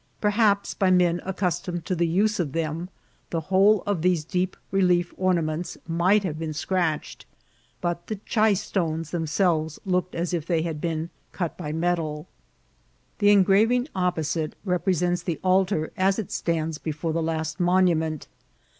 Perhaps by men accustomed to the use of them, the whole of these deep relief ornaments might have been scratched, but the chay stones themselves looked as if they had been cut by metaL The engraving opposite represents the altar as it stands before the last monument.